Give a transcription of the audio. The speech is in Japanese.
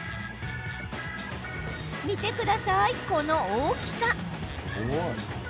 見てください、この大きさ。